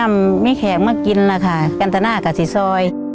นั่งมีแขกมากินนะคะกันตน่ากับสิซอย